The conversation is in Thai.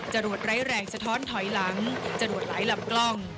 จรวดไร้แรงสะท้อนถอยหลังจรวดหลายลำกล้อง